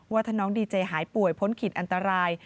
ว่าถ้าน้องดีเจหายป่วยพ้นขีดอันตราย